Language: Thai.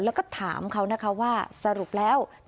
แล้วก็ถามเขานะคะว่าสรุปแล้ว